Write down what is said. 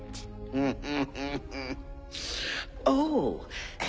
フフフ。